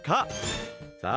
さあ